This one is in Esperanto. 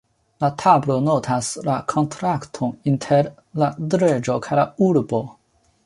La tabulo notas la kontrakton inter "la reĝo kaj la urbo".